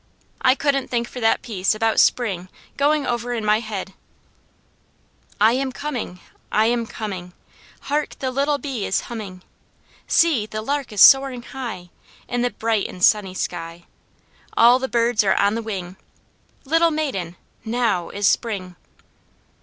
I couldn't think for that piece about "Spring" going over in my head: "I am coming, I am coming: Hark! the little bee is humming: See! the lark is soaring high, In the bright and sunny sky; All the birds are on the wing: Little maiden, now is spring."